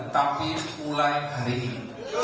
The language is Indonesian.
tapi mulai hari ini